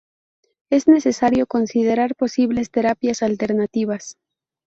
Es necesario considerar posibles terapias alternativas.